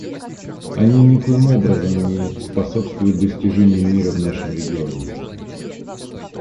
Они никоим образом не способствуют достижению мира в нашем регионе.